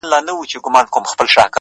پر تندي يې شنه خالونه زما بدن خوري ـ